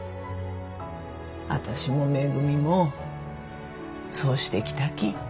私もめぐみもそうしてきたけん。